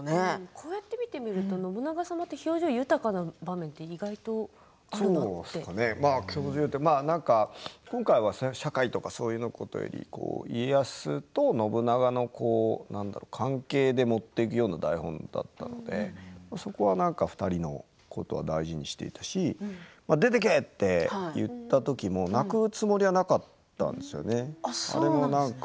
こうやって見ていると信長様って極論言うと今回社会とかそういうことより家康と信長の関係で持っていくような台本だったのでそこは２人のことを大事にしているし出て行けって言った時も泣くつもりはなかったんですよね。